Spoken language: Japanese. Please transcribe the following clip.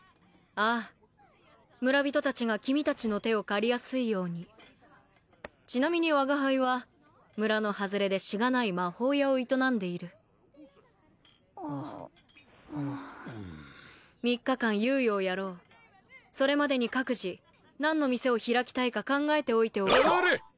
ああ村人達が君達の手を借りやすいようにちなみに我が輩は村の外れでしがない魔法屋を営んでいる３日間猶予をやろうそれまでに各自何の店を開きたいか考えてほれ！